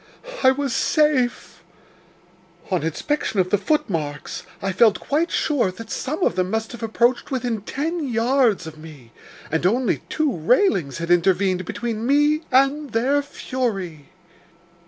I was safe. On inspection of the footmarks, I felt quite sure that some of them must have approached within ten yards of me, and only two railings had intervened between me and their fury.